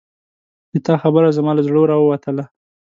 د تا خبره زما له زړه راووتله